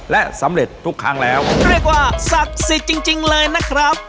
และสำเร็จทุกครั้งแล้วเรียกว่าศักดิ์สิทธิ์จริงเลยนะครับ